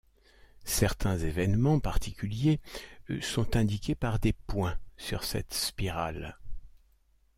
Certains événements particuliers sont indiqués par des points sur cette spirale.